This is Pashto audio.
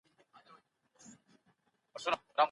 ایسټروجن د عصبي حجرو وده هڅوي.